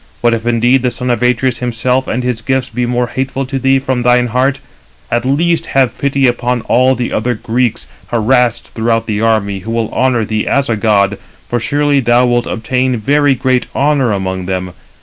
But if indeed the son of Atreus himself and his gifts be more hateful to thee from thine heart, at least have pity upon all the other Greeks, harassed throughout the army, who will honour thee as a god; for surely thou wilt obtain very great honour among them.